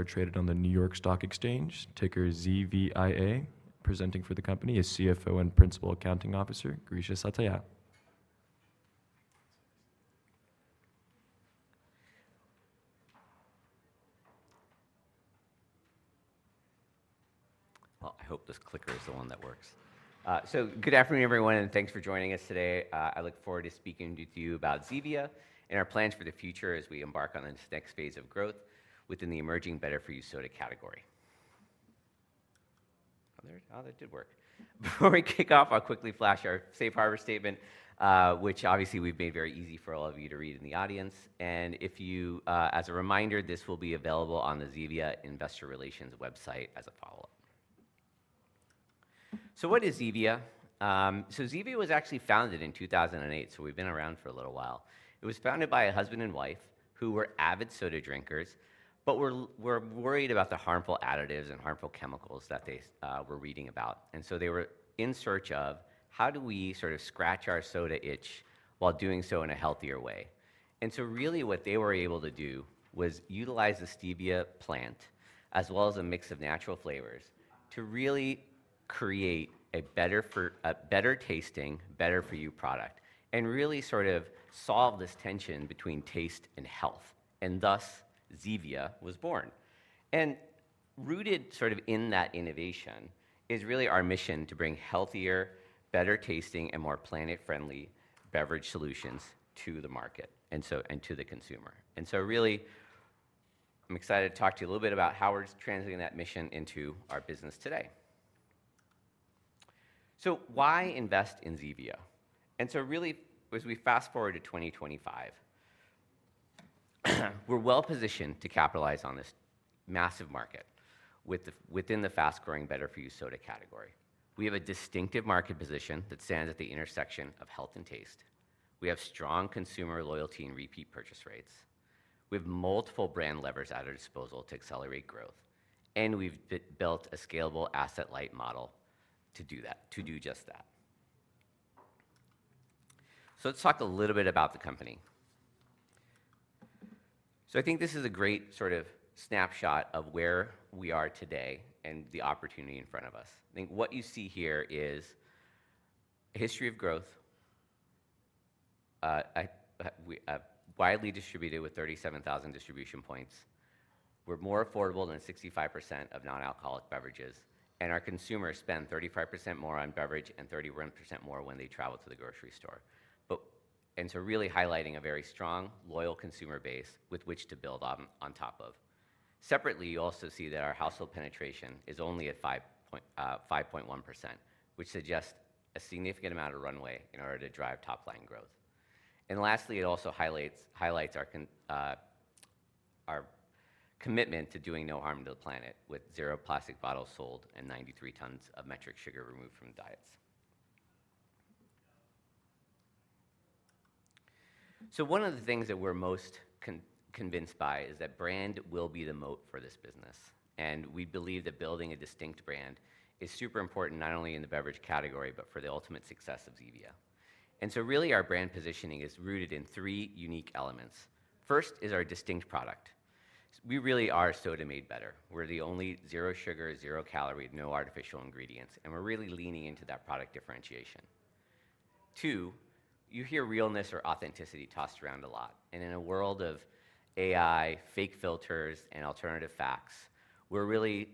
We're traded on the New York Stock Exchange, ticker ZVIA. Presenting for the company is CFO and Principal Accounting Officer, Girish Satya. I hope this clicker is the one that works. Good afternoon, everyone, and thanks for joining us today. I look forward to speaking with you about Zevia and our plans for the future as we embark on this next phase of growth within the emerging better-for-you soda category. Oh, that did work. Before we kick off, I'll quickly flash our safe harbor statement, which obviously we've made very easy for all of you to read in the audience. As a reminder, this will be available on the Zevia Investor Relations website as a follow-up. What is Zevia? Zevia was actually founded in 2008, so we've been around for a little while. It was founded by a husband and wife who were avid soda drinkers but were worried about the harmful additives and harmful chemicals that they were reading about. They were in search of how do we sort of scratch our soda itch while doing so in a healthier way. What they were able to do was utilize the stevia plant, as well as a mix of natural flavors, to really create a better-tasting, better-for-you product and really sort of solve this tension between taste and health. Thus, Zevia was born. Rooted in that innovation is really our mission to bring healthier, better-tasting, and more planet-friendly beverage solutions to the market and to the consumer. I'm excited to talk to you a little bit about how we're translating that mission into our business today. Why invest in Zevia? As we fast forward to 2025, we're well positioned to capitalize on this massive market within the fast-growing better-for-you soda category. We have a distinctive market position that stands at the intersection of health and taste. We have strong consumer loyalty and repeat purchase rates. We have multiple brand levers at our disposal to accelerate growth. We've built a scalable asset-light model to do just that. Let's talk a little bit about the company. I think this is a great snapshot of where we are today and the opportunity in front of us. I think what you see here is a history of growth, widely distributed with 37,000 distribution points. We're more affordable than 65% of non-alcoholic beverages, and our consumers spend 35% more on beverage and 31% more when they travel to the grocery store, really highlighting a very strong, loyal consumer base with which to build on top of. Separately, you also see that our household penetration is only at 5.1%, which suggests a significant amount of runway in order to drive top-line growth. It also highlights our commitment to doing no harm to the planet with zero plastic bottles sold and 93 tons of metric sugar removed from diets. One of the things that we're most convinced by is that brand will be the moat for this business. We believe that building a distinct brand is super important, not only in the beverage category, but for the ultimate success of Zevia. Our brand positioning is rooted in three unique elements. First is our distinct product. We really are soda made better. We're the only zero sugar, zero calorie, no artificial ingredients, and we're really leaning into that product differentiation. You hear realness or authenticity tossed around a lot. In a world of AI, fake filters, and alternative facts, we really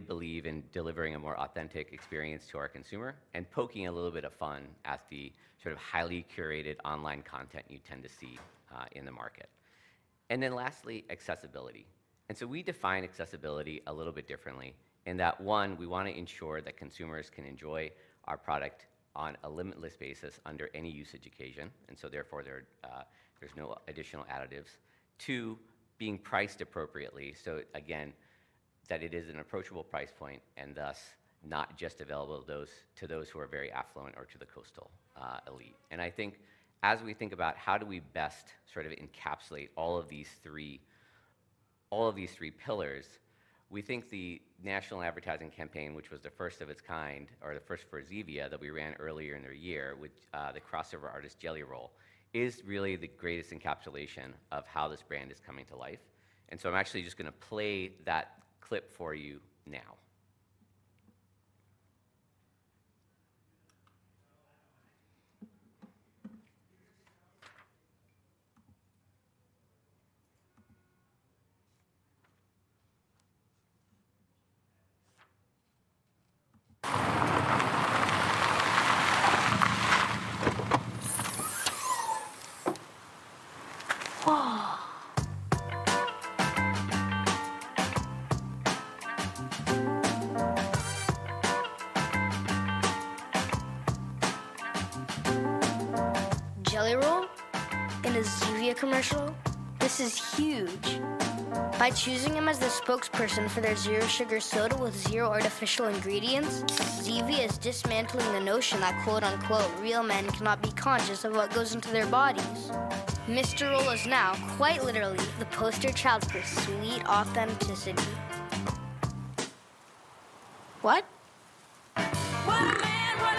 believe in delivering a more authentic experience to our consumer and poking a little bit of fun at the sort of highly curated online content you tend to see in the market. Lastly, accessibility. We define accessibility a little bit differently in that, one, we want to ensure that consumers can enjoy our product on a limitless basis under any usage occasion. Therefore, there's no additional additives. Two, being priced appropriately, so again, that it is an approachable price point and thus not just available to those who are very affluent or to the coastal elite. As we think about how do we best sort of encapsulate all of these three pillars, we think the national advertising campaign, which was the first of its kind or the first for Zevia that we ran earlier in the year, which the crossover artist Jelly Roll, is really the greatest encapsulation of how this brand is coming to life. I'm actually just going to play that clip for you now. Jelly Roll and the Zevia commercial, this is huge. By choosing them as the spokesperson for their zero sugar soda with zero artificial ingredients, Zevia is dismantling the notion that "real men cannot be conscious of what goes into their bodies." Mr. Roll is now quite literally the poster child for sweet authenticity. What?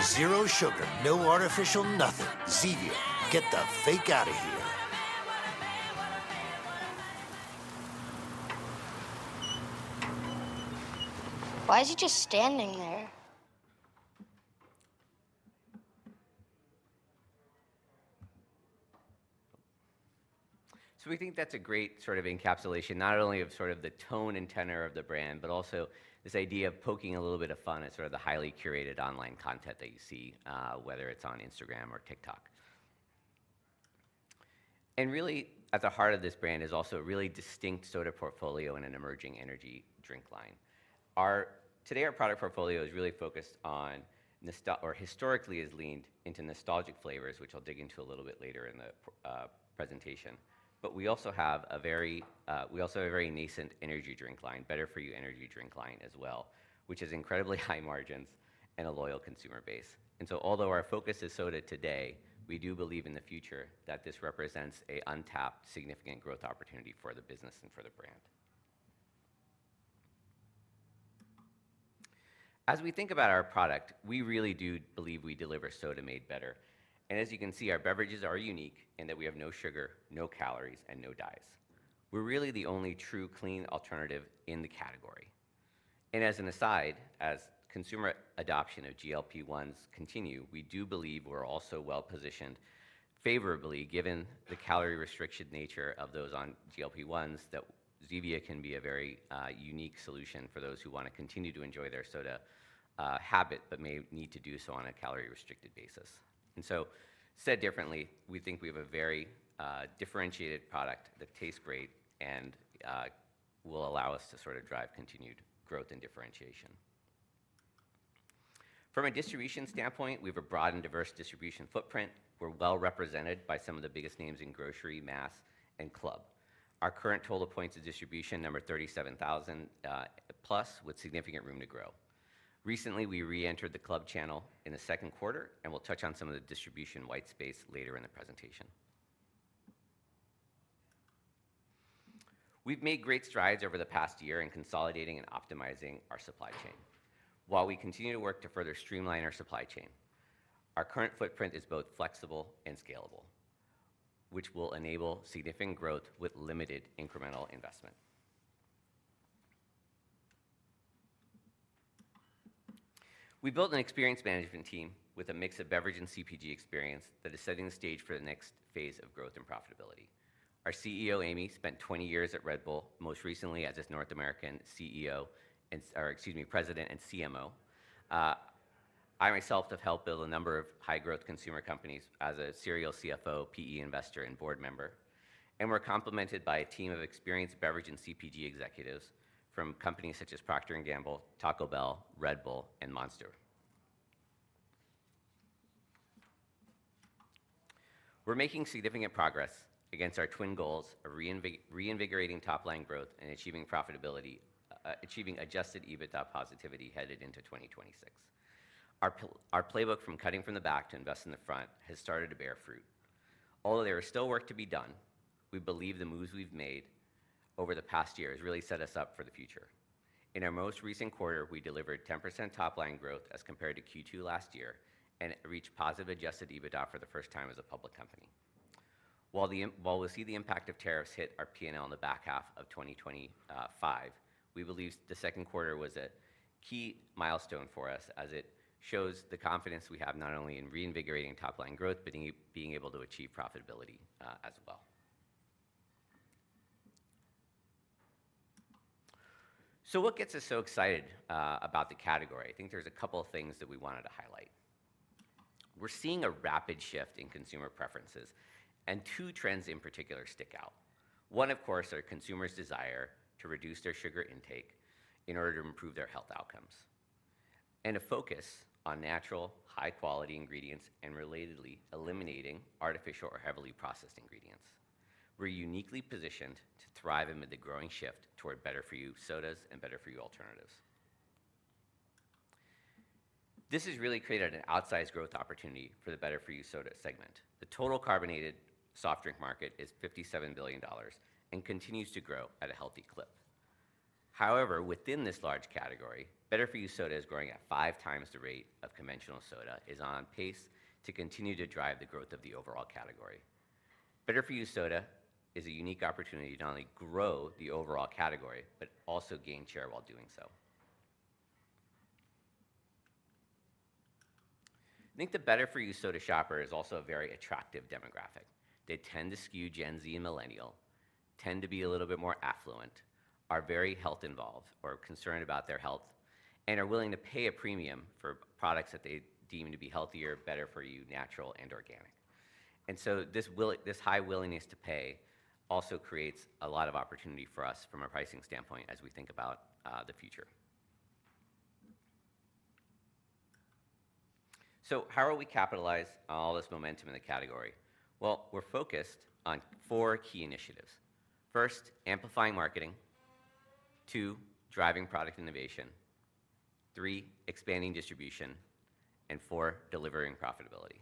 Zero sugar, no artificial nothing. Zevia, get the fake out of here. Why is he just standing there? We think that's a great sort of encapsulation not only of the tone and tenor of the brand, but also this idea of poking a little bit of fun at the highly curated online content that you see, whether it's on Instagram or TikTok. Really, at the heart of this brand is also a really distinct soda portfolio and an emerging energy drink line. Today, our product portfolio is really focused on, or historically has leaned into nostalgic flavors, which I'll dig into a little bit later in the presentation. We also have a very nascent energy drink line, better-for-you energy drink line as well, which has incredibly high margins and a loyal consumer base. Although our focus is soda today, we do believe in the future that this represents an untapped significant growth opportunity for the business and for the brand. As we think about our product, we really do believe we deliver soda made better. As you can see, our beverages are unique in that we have no sugar, no calories, and no dyes. We're really the only true clean alternative in the category. As an aside, as consumer adoption of GLP-1s continues, we do believe we're also well positioned favorably given the calorie-restricted nature of those on GLP-1s that Zevia can be a very unique solution for those who want to continue to enjoy their soda habit but may need to do so on a calorie-restricted basis. Said differently, we think we have a very differentiated product that tastes great and will allow us to drive continued growth and differentiation. From a distribution standpoint, we have a broad and diverse distribution footprint. We're well represented by some of the biggest names in grocery, mass, and club. Our current total points of distribution number 37,000+ with significant room to grow. Recently, we reentered the club channel in the second quarter, and we'll touch on some of the distribution white space later in the presentation. We've made great strides over the past year in consolidating and optimizing our supply chain. While we continue to work to further streamline our supply chain, our current footprint is both flexible and scalable, which will enable significant growth with limited incremental investment. We built an experienced management team with a mix of beverage and CPG experience that is setting the stage for the next phase of growth and profitability. Our CEO, Amy Taylor, spent 20 years at Red Bull, most recently as its North American President and CMO. I myself have helped build a number of high-growth consumer companies as a serial CFO, PE investor, and board member. We're complemented by a team of experienced beverage and CPG executives from companies such as Procter & Gamble, Taco Bell, Red Bull, and Monster. We're making significant progress against our twin goals of reinvigorating top-line growth and achieving profitability, achieving adjusted EBITDA positivity headed into 2026. Our playbook from cutting from the back to invest in the front has started to bear fruit. Although there is still work to be done, we believe the moves we've made over the past year have really set us up for the future. In our most recent quarter, we delivered 10% top-line growth as compared to Q2 last year, and reached positive adjusted EBITDA for the first time as a public company. While we see the impact of tariffs hit our P&L in the back half of 2025, we believe the second quarter was a key milestone for us as it shows the confidence we have not only in reinvigorating top-line growth but in being able to achieve profitability as well. What gets us so excited about the category? I think there's a couple of things that we wanted to highlight. We're seeing a rapid shift in consumer preferences, and two trends in particular stick out. One, of course, are consumers' desire to reduce their sugar intake in order to improve their health outcomes. A focus on natural, high-quality ingredients and, relatedly, eliminating artificial or heavily processed ingredients. We're uniquely positioned to thrive amid the growing shift toward better-for-you sodas and better-for-you alternatives. This has really created an outsized growth opportunity for the better-for-you soda segment. The total carbonated soft drink market is $57 billion and continues to grow at a healthy clip. However, within this large category, better-for-you soda is growing at five times the rate of conventional soda and is on pace to continue to drive the growth of the overall category. Better-for-you soda is a unique opportunity to not only grow the overall category but also gain share while doing so. I think the better-for-you soda shopper is also a very attractive demographic. They tend to skew Gen Z and Millennial, tend to be a little bit more affluent, are very health-involved or concerned about their health, and are willing to pay a premium for products that they deem to be healthier, better-for-you, natural, and organic. This high willingness to pay also creates a lot of opportunity for us from a pricing standpoint as we think about the future. How are we capitalizing on all this momentum in the category? We're focused on four key initiatives. First, amplifying marketing. Two, driving product innovation. Three, expanding distribution. Four, delivering profitability.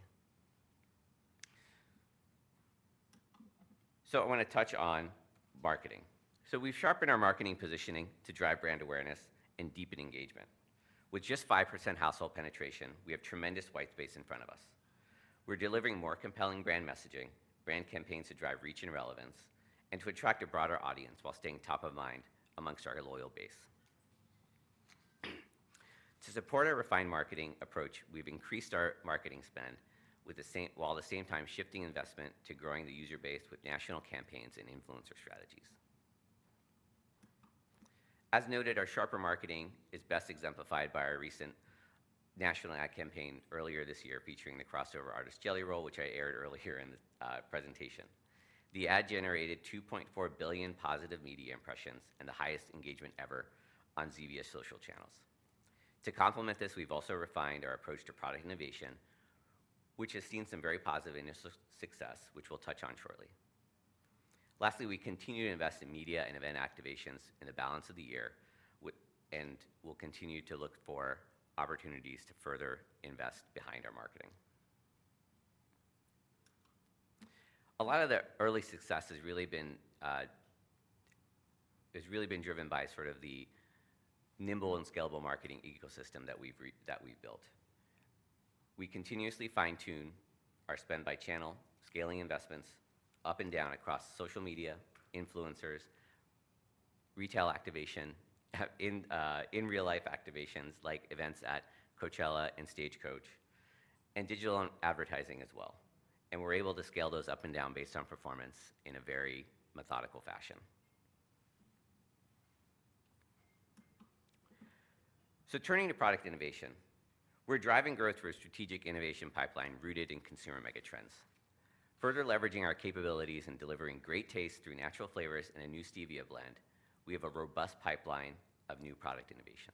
I want to touch on marketing. We've sharpened our marketing positioning to drive brand awareness and deepen engagement. With just 5% household penetration, we have tremendous white space in front of us. We're delivering more compelling brand messaging, brand campaigns to drive reach and relevance, and to attract a broader audience while staying top of mind amongst our loyal base. To support our refined marketing approach, we've increased our marketing spend while at the same time shifting investment to growing the user base with national campaigns and influencer strategies. As noted, our sharper marketing is best exemplified by our recent national ad campaign earlier this year featuring the crossover artist Jelly Roll, which I aired earlier in the presentation. The ad generated 2.4 billion positive media impressions and the highest engagement ever on Zevia's social channels. To complement this, we've also refined our approach to product innovation, which has seen some very positive initial success, which we'll touch on shortly. Lastly, we continue to invest in media and event activations in the balance of the year, and we'll continue to look for opportunities to further invest behind our marketing. A lot of the early success has really been driven by sort of the nimble and scalable marketing ecosystem that we've built. We continuously fine-tune our spend by channel, scaling investments up and down across social media, influencers, retail activation, in real-life activations like events at Coachella and Stagecoach, and digital advertising as well. We're able to scale those up and down based on performance in a very methodical fashion. Turning to product innovation, we're driving growth through a strategic innovation pipeline rooted in consumer megatrends. Further leveraging our capabilities and delivering great tastes through natural flavors and a new stevia blend, we have a robust pipeline of new product innovation.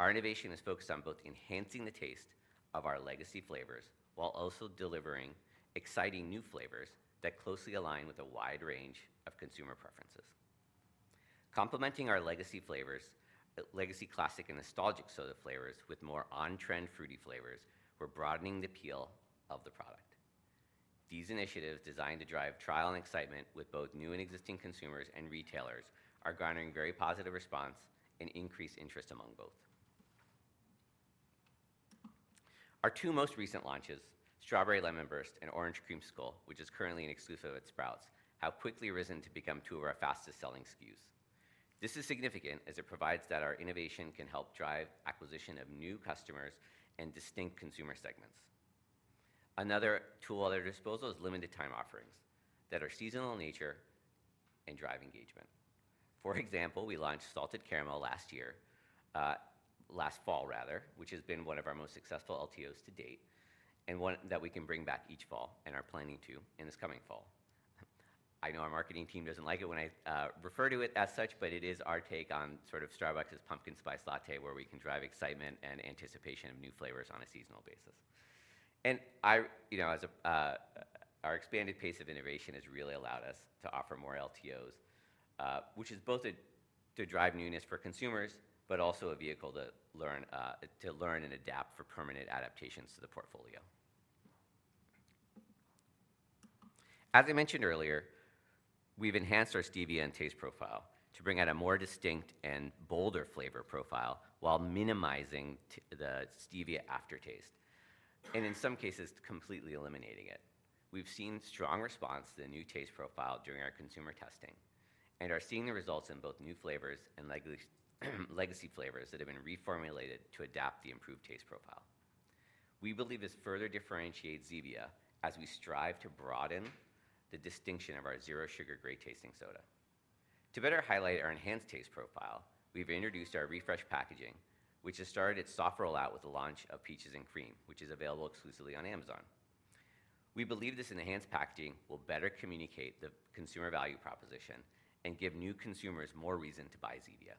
Our innovation is focused on both enhancing the taste of our legacy flavors while also delivering exciting new flavors that closely align with a wide range of consumer preferences. Complementing our legacy classic and nostalgic soda flavors with more on-trend fruity flavors, we're broadening the appeal of the product. These initiatives designed to drive trial and excitement with both new and existing consumers and retailers are garnering very positive response and increased interest among both. Our two most recent launches, Strawberry Lemon Burst and Orange Creamsicle, which is currently an exclusive at Sprouts, have quickly risen to become two of our fastest-selling SKUs. This is significant as it provides that our innovation can help drive acquisition of new customers and distinct consumer segments. Another tool at our disposal is limited-time offerings that are seasonal in nature and drive engagement. For example, we launched Salted Caramel last year, last fall rather, which has been one of our most successful LTOs to date and one that we can bring back each fall and are planning to in this coming fall. I know our marketing team doesn't like it when I refer to it as such, but it is our take on sort of Starbucks' pumpkin spice latte where we can drive excitement and anticipation of new flavors on a seasonal basis. Our expanded pace of innovation has really allowed us to offer more LTOs, which is both to drive newness for consumers, but also a vehicle to learn and adapt for permanent adaptations to the portfolio. As I mentioned earlier, we've enhanced our stevia and taste profile to bring out a more distinct and bolder flavor profile while minimizing the stevia aftertaste and in some cases completely eliminating it. We've seen strong response to the new taste profile during our consumer testing and are seeing the results in both new flavors and legacy flavors that have been reformulated to adapt the improved taste profile. We believe this further differentiates Zevia as we strive to broaden the distinction of our zero sugar great tasting soda. To better highlight our enhanced taste profile, we've introduced our Refresh packaging, which has started its soft rollout with the launch of Peaches and Cream, which is available exclusively on Amazon. We believe this enhanced packaging will better communicate the consumer value proposition and give new consumers more reason to buy Zevia.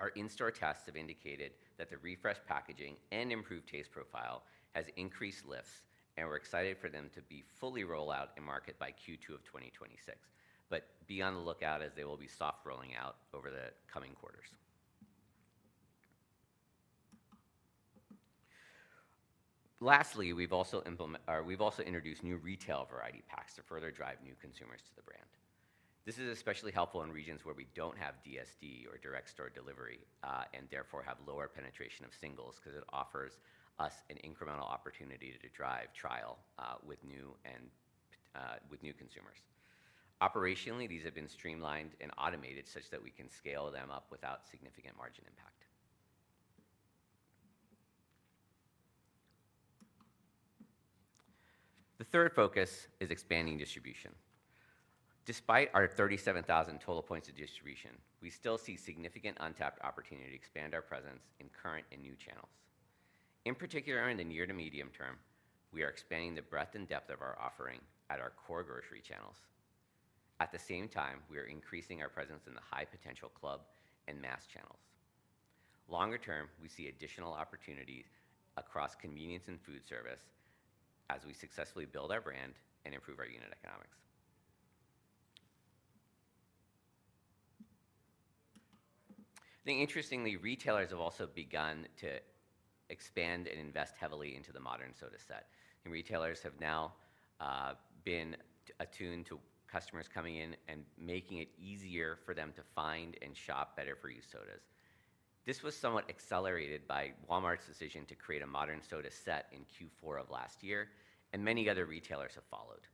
Our in-store tests have indicated that the Refresh packaging and improved taste profile have increased lifts, and we're excited for them to be fully rolled out in market by Q2 of 2026. Be on the lookout as they will be soft rolling out over the coming quarters. Lastly, we've also introduced new retail variety packs to further drive new consumers to the brand. This is especially helpful in regions where we don't have DSD or direct store delivery and therefore have lower penetration of singles because it offers us an incremental opportunity to drive trial with new consumers. Operationally, these have been streamlined and automated such that we can scale them up without significant margin impact. The third focus is expanding distribution. Despite our 37,000 total points of distribution, we still see significant untapped opportunity to expand our presence in current and new channels. In particular, in the near to medium term, we are expanding the breadth and depth of our offering at our core grocery channels. At the same time, we are increasing our presence in the high-potential club and mass channels. Longer term, we see additional opportunities across convenience and food service as we successfully build our brand and improve our unit economics. Interestingly, retailers have also begun to expand and invest heavily into the modern soda set. Retailers have now been attuned to customers coming in and making it easier for them to find and shop better-for-you sodas. This was somewhat accelerated by Walmart's decision to create a modern soda set in Q4 of last year, and many other retailers have followed.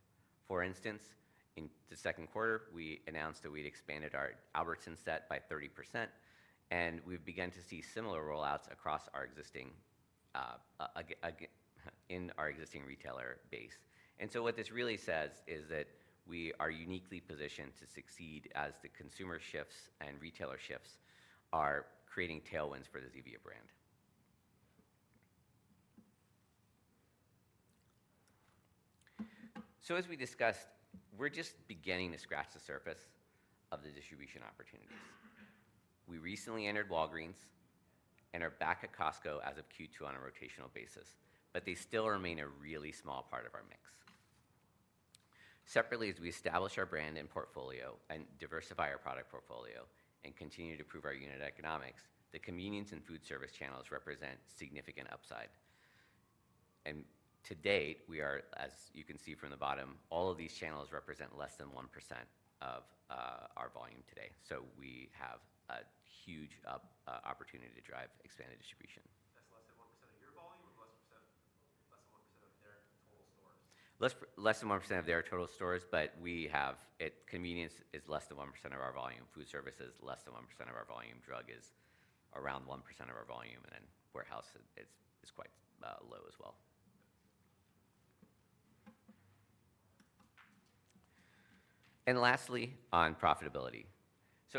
For instance, in the second quarter, we announced that we'd expanded our Albertsons set by 30%, and we've begun to see similar rollouts in our existing retailer base. What this really says is that we are uniquely positioned to succeed as the consumer shifts and retailer shifts are creating tailwinds for the Zevia brand. As we discussed, we're just beginning to scratch the surface of the distribution opportunities. We recently entered Walgreens and are back at Costco as of Q2 on a rotational basis, but they still remain a really small part of our mix. Separately, as we establish our brand and portfolio and diversify our product portfolio and continue to prove our unit economics, the convenience and food service channels represent significant upside. To date, as you can see from the bottom, all of these channels represent less than 1% of our volume today. We have a huge opportunity to drive expanded distribution. That's less than 1% of your volume or less than 1% of their total stores? Less than 1% of their total stores, but we have convenience is less than 1% of our volume. Food service is less than 1% of our volume. Drug is around 1% of our volume, and then warehouse is quite low as well. Lastly, on profitability.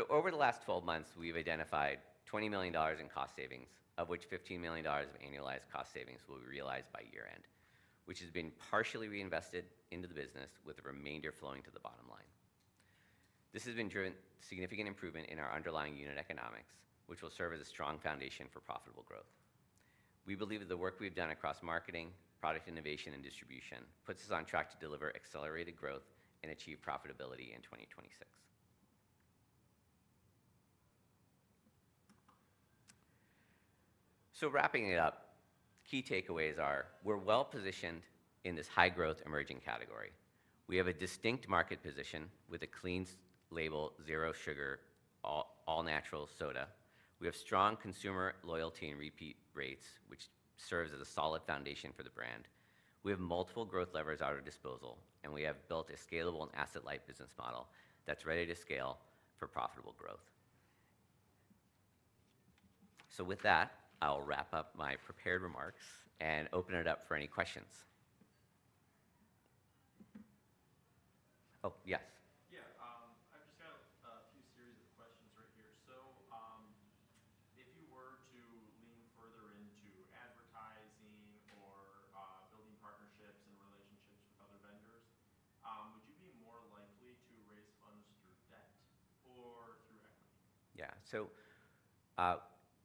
Over the last 12 months, we've identified $20 million in cost savings, of which $15 million of annualized cost savings will be realized by year-end, which has been partially reinvested into the business with the remainder flowing to the bottom line. This has driven significant improvement in our underlying unit economics, which will serve as a strong foundation for profitable growth. We believe that the work we've done across marketing, product innovation, and distribution puts us on track to deliver accelerated growth and achieve profitability in 2026. Wrapping it up, key takeaways are we're well positioned in this high-growth emerging category. We have a distinct market position with a clean label, zero sugar, all-natural soda. We have strong consumer loyalty and repeat rates, which serves as a solid foundation for the brand. We have multiple growth levers at our disposal, and we have built a scalable and asset-light business model that's ready to scale for profitable growth. With that, I'll wrap up my prepared remarks and open it up for any questions. Oh, yes. I've just got a few series of questions right here. If you were to lean further into advertising or building partnerships and relationships with other vendors, would you be more likely to raise funds through debt or through? Yeah,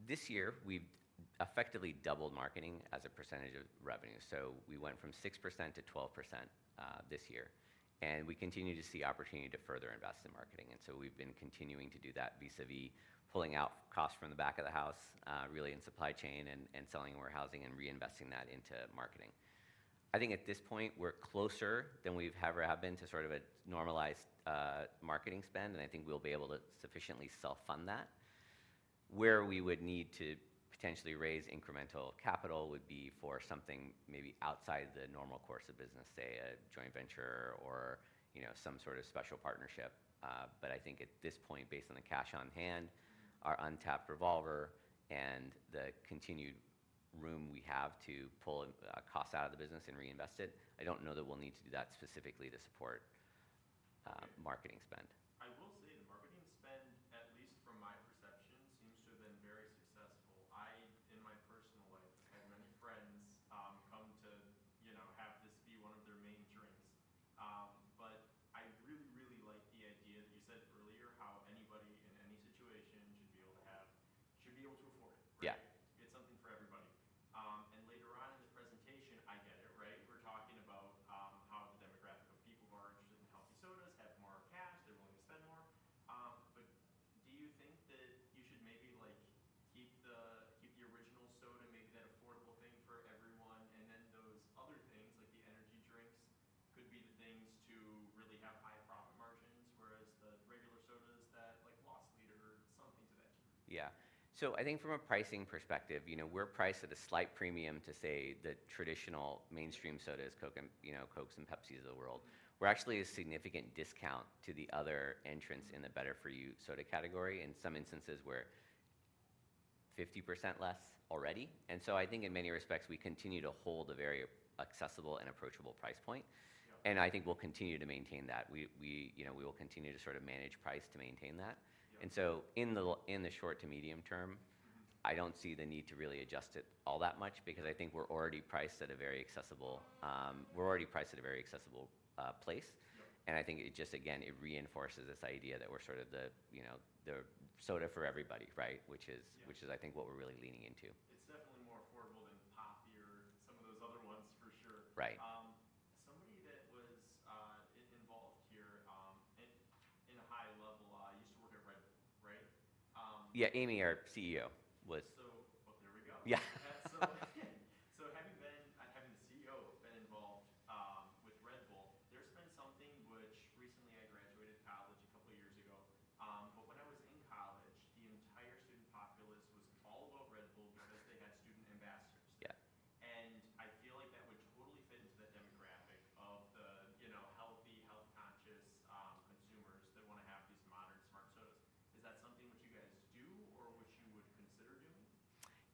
this year we've effectively doubled marketing as a percentage of revenue. We went from 6% to 12% this year, and we continue to see opportunity to further invest in marketing. We've been continuing to do that vis-à-vis pulling out costs from the back of the house, really in supply chain and selling warehousing and reinvesting that into marketing. I think at this point we're closer than we've ever been to sort of a normalized marketing spend, and I think we'll be able to sufficiently self-fund that. Where we would need to potentially raise incremental capital would be for something maybe outside the normal course of business, say a joint venture or some sort of special partnership. At this point, based on the cash on hand, our untapped revolver, and the continued room we have to pull costs out of the business and reinvest it, I don't know that we'll need to do that specifically to support marketing spend. In the short to medium term, I don't see the need to really adjust it all that much because I think we're already priced at a very accessible place. I think it just, again, reinforces this idea that we're sort of the soda for everybody, right? Which is, I think, what we're really leaning into. Hop here, some of those other ones for sure.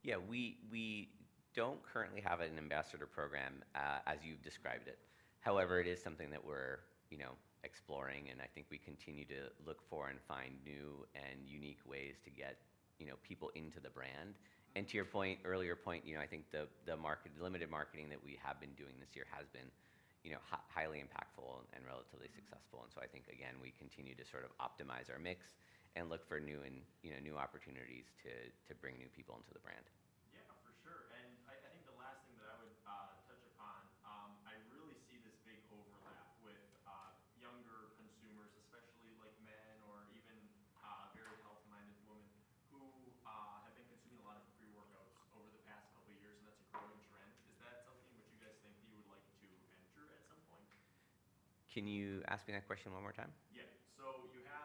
Yeah, we don't currently have an ambassador program as you've described it. However, it is something that we're exploring. I think we continue to look for and find new and unique ways to get people into the brand. To your earlier point, I think the limited marketing that we have been doing this year has been highly impactful and relatively successful. I think, again, we continue to sort of optimize our mix and look for new opportunities to bring new people into the brand. I think the last thing that I would touch upon, I really see this big overlap with younger consumers, especially like men or even very health-minded women who have been consuming a lot of pre-workout products over the past couple of years, and that's a growing trend. Is that something that you would like to do at some point? Can you ask me that question one more time? You have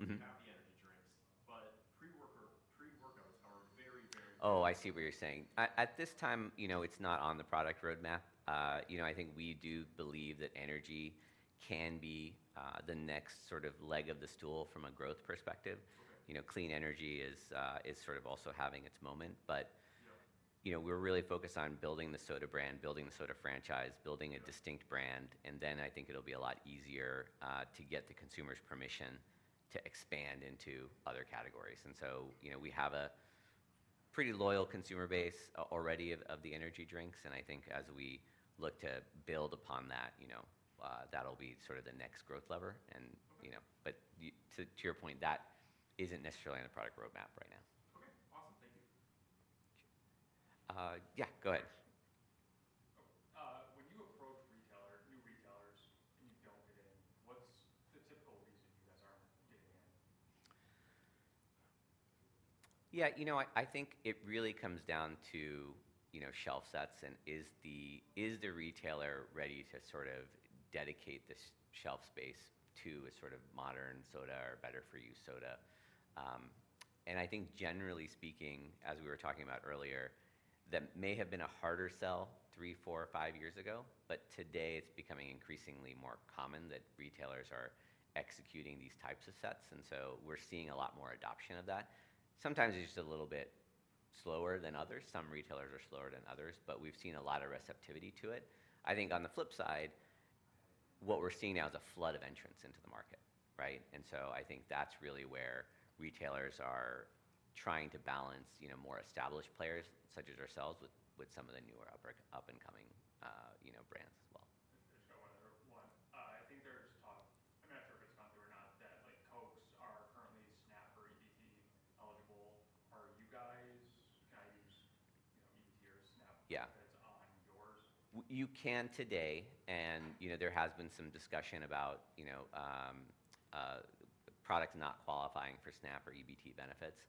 the sodas. You have the energy drinks, but pre-workouts are very. Oh, I see what you're saying. At this time, it's not on the product roadmap. I think we do believe that energy can be the next sort of leg of the stool from a growth perspective. Clean energy is sort of also having its moment, but we're really focused on building the soda brand, building the soda franchise, building a distinct brand, and then I think it'll be a lot easier to get the consumer's permission to expand into other categories. We have a pretty loyal consumer base already of the energy drinks, and I think as we look to build upon that, that'll be sort of the next growth lever. To your point, that isn't necessarily on the product roadmap right now. Yeah, go ahead. Don't get in. What's the typical reason you guys aren't getting in? Yeah, you know, I think it really comes down to shelf sets and is the retailer ready to sort of dedicate the shelf space to a sort of modern soda or better-for-you soda? I think generally speaking, as we were talking about earlier, that may have been a harder sell three, four, or five years ago, but today it's becoming increasingly more common that retailers are executing these types of sets. We're seeing a lot more adoption of that. Sometimes it's just a little bit slower than others. Some retailers are slower than others, but we've seen a lot of receptivity to it. I think on the flip side, what we're seeing now is a flood of entrants into the market, right? I think that's really where retailers are trying to balance more established players such as ourselves with some of the newer up-and-coming brands as well. There's no other one. I think there's a mentor that's gone through or not that like Cokes are currently SNAP or EBT eligible. Are you guys trying to use, you know, EBT or SNAP? Yeah, you can today, and you know, there has been some discussion about products not qualifying for SNAP or EBT benefits.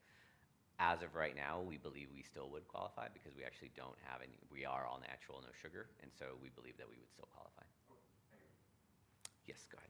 As of right now, we believe we still would qualify because we actually don't have any, we are all-natural, no sugar, and so we believe that we would still qualify. Yes, go ahead.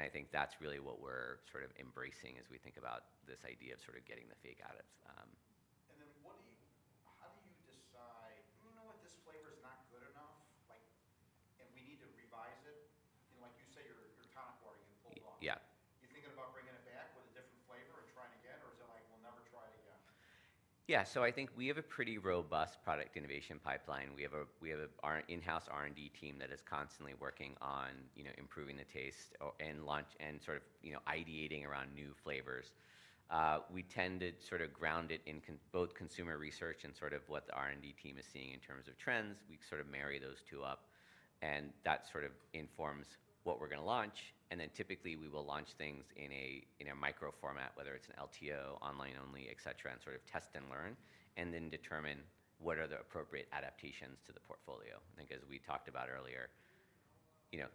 I think that's really what we're sort of embracing as we think about this idea of sort of getting the fake out of. How do you decide, you know, what this flavor is not good enough, like we need to revise it? Like you said, you're top-quality and full-blown. Yeah. You thinking about bringing it? Yeah, I think we have a pretty robust product innovation pipeline. We have our in-house R&D team that is constantly working on improving the taste and launch and sort of ideating around new flavors. We tend to ground it in both consumer research and what the R&D team is seeing in terms of trends. We marry those two up, and that informs what we're going to launch. Typically, we will launch things in a micro format, whether it's an LTO, online only, etc., and test and learn, and then determine what are the appropriate adaptations to the portfolio. I think as we talked about earlier,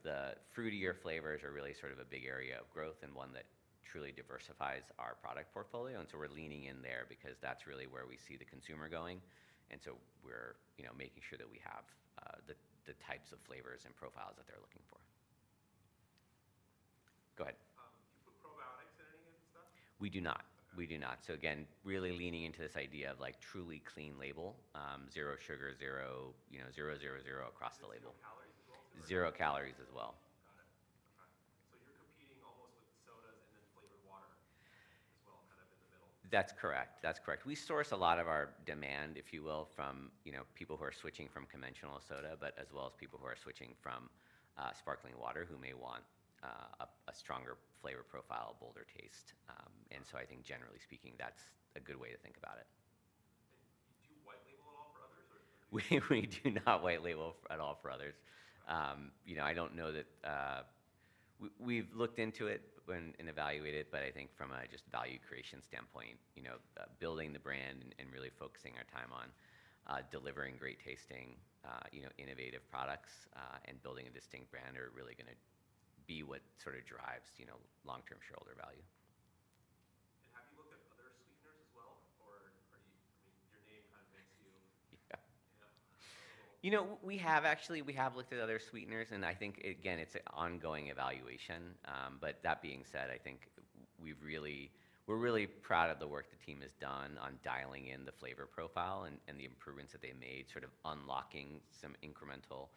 the fruitier flavors are really a big area of growth and one that truly diversifies our product portfolio. We're leaning in there because that's really where we see the consumer going. We're making sure that we have the types of flavors and profiles that they're looking for. Go ahead. We do not. We do not. Again, really leaning into this idea of truly clean label, zero sugar, zero, you know, zero, zero, zero across the label. Calories? Zero calories as well. Got it. Okay, so you're competing almost with sodas and then flavored water as well, kind of in the middle. That's correct. We source a lot of our demand, if you will, from people who are switching from conventional soda, as well as people who are switching from sparkling water who may want a stronger flavor profile, bolder taste. I think generally speaking, that's a good way to think about it. Do you private label at all for others? We do not private label at all for others. I don't know that we've looked into it and evaluated it, but I think from a value creation standpoint, building the brand and really focusing our time on delivering great tasting, innovative products and building a distinct brand are really going to be what drives long-term shareholder value. Have you looked at other sweeteners as well? I mean, your name kind of makes you? We have actually looked at other sweeteners, and I think it's an ongoing evaluation. That being said, we're really proud of the work the team has done on dialing in the flavor profile and the improvements that they made, unlocking some incremental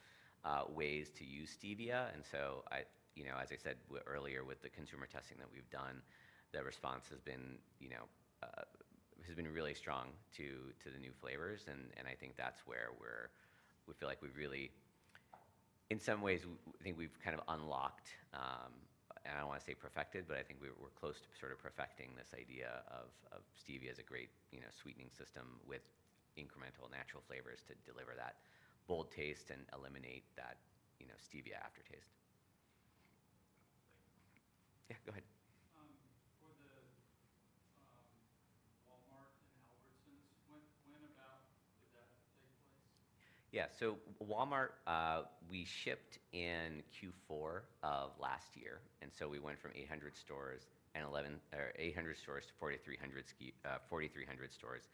ways to use Stevia. As I said earlier with the consumer testing that we've done, the response has been really strong to the new flavors. I think that's where we feel like we've really, in some ways, kind of unlocked, and I don't want to say perfected, but I think we're close to perfecting this idea of Stevia as a great sweetening system with incremental natural flavors to deliver that bold taste and eliminate that Stevia aftertaste. Yeah, go ahead. For the Walmart and Albertsons, when about? Yeah, so Walmart, we shipped in Q4 of last year. We went from 800 stores to 4,300 stores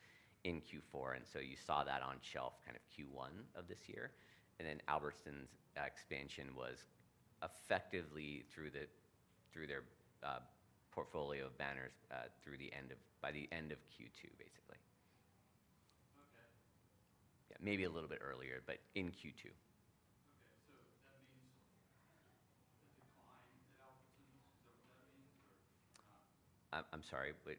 in Q4. You saw that on shelf kind of Q1 of this year. Albertsons' expansion was effectively through their portfolio banners by the end of Q2, basically, maybe a little bit earlier, but in Q2. The client at Albertsons is a veteran. I'm sorry, but. I was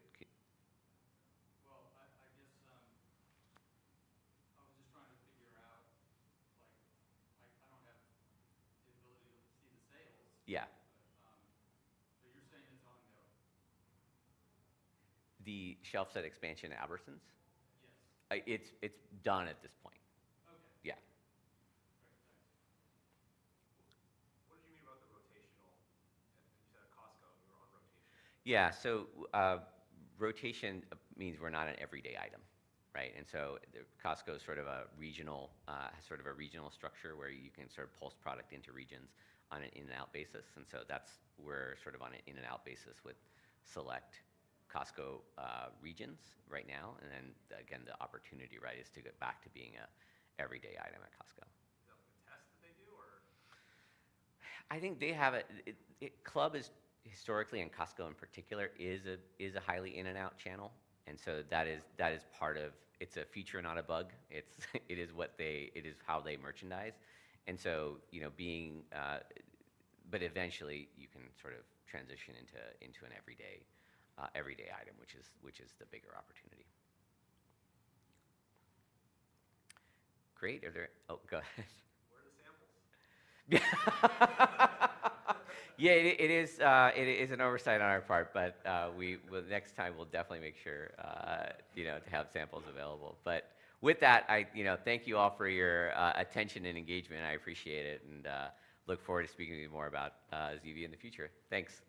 just trying to figure out. The shelf set expansion at Albertsons? It's done at this point. Yeah. What do you mean about the rotational? Is it a Costco or on rotation? Yeah, so rotation means we're not an everyday item, right? Costco is sort of a regional, has sort of a regional structure where you can sort of pulse product into regions on an in-and-out basis. That's, we're sort of on an in-and-out basis with select Costco regions right now. The opportunity, right, is to get back to being an everyday item at Costco. Is that like a test that they do? I think they have it. Club is historically, and Costco in particular, is a highly in-and-out channel. That is part of, it's a feature and not a bug. It is how they merchandise. Eventually you can sort of transition into an everyday item, which is the bigger opportunity. Great. Are there, oh, go ahead. What is the sample? Yeah, it is an oversight on our part, but next time we'll definitely make sure to have samples available. With that, I thank you all for your attention and engagement. I appreciate it and look forward to speaking with you more about Zevia in the future. Thanks.